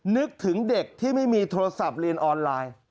นึกถึงเด็กที่ไม่มีโทรศัพท์เรียนออนไลน์